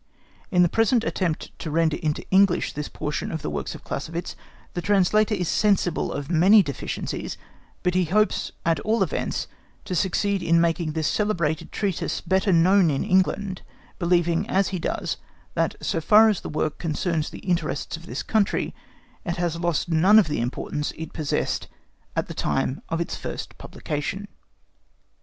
In the present attempt to render into English this portion of the works of Clausewitz, the translator is sensible of many deficiencies, but he hopes at all events to succeed in making this celebrated treatise better known in England, believing, as he does, that so far as the work concerns the interests of this country, it has lost none of the importance it possessed at the time of its first publication.